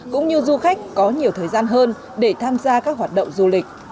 cũng như du khách có nhiều thời gian hơn để tham gia các hoạt động du lịch